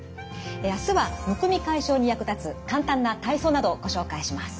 明日はむくみ解消に役立つ簡単な体操などをご紹介します。